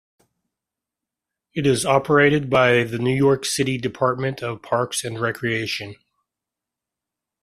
It is operated by the New York City Department of Parks and Recreation.